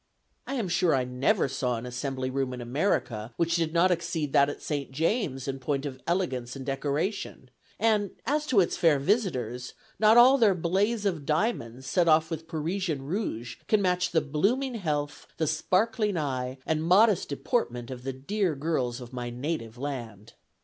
I am sure I never saw an assembly room in America, which did not exceed that at St. James's in point of elegance and decoration; and, as to its fair visitors, not all their blaze of diamonds, set off with Parisian rouge, can match the blooming health, the sparkling eye, and modest deportment of the dear girls of my native land.